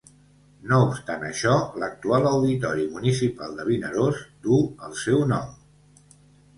No obstant això, l'actual Auditori Municipal de Vinaròs duu el seu nom.